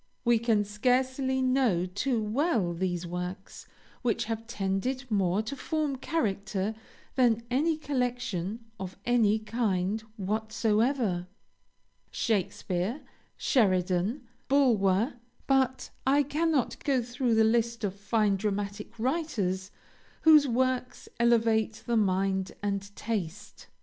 We can scarcely know too well those works which have tended more to form character than any collection of any kind whatsoever. Shakespeare, Sheridan, Bulwer, but I cannot go through the list of fine dramatic writers whose works elevate the mind and taste.